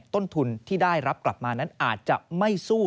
ต้นทุนที่ได้รับกลับมานั้นอาจจะไม่สู้